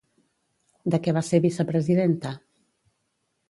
De què va ser vicepresidenta?